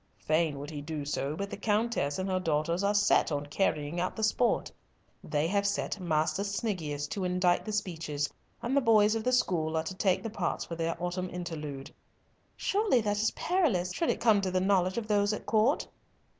"Fain would he do so, but the Countess and her daughters are set on carrying out the sport. They have set Master Sniggius to indite the speeches, and the boys of the school are to take the parts for their autumn interlude." "Surely that is perilous, should it come to the knowledge of those at Court."